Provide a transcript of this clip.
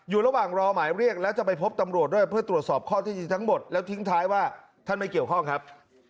อยู่ระหว่างรอหมายเรียกแล้วจะไปพบตำรวจด้วยเพื่อตรวจสอบข้อที่จริงทั้งหมดแล้วทิ้งท้ายว่าท่านไม่เกี่ยวข้องครับ